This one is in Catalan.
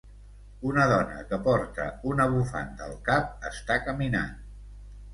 Una dona que porta una bufanda al cap està caminant.